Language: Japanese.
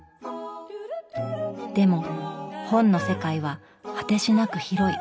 でも本の世界は果てしなく広い。